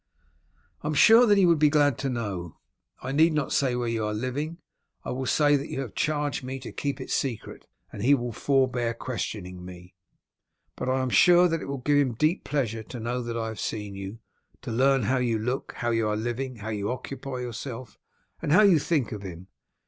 "I am sure that he would be glad to know. I need not say where you are living. I will say that you have charged me to keep it secret, and he will forbear questioning me. But I am sure that it will give him deep pleasure to know that I have seen you, to learn how you look, how you are living, how you occupy yourself, and how you think of him.